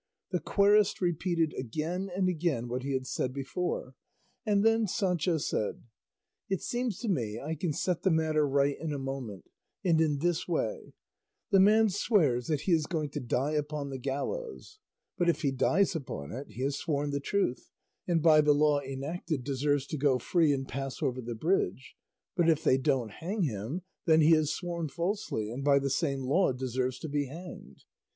The querist repeated again and again what he had said before, and then Sancho said, "It seems to me I can set the matter right in a moment, and in this way; the man swears that he is going to die upon the gallows; but if he dies upon it, he has sworn the truth, and by the law enacted deserves to go free and pass over the bridge; but if they don't hang him, then he has sworn falsely, and by the same law deserves to be hanged."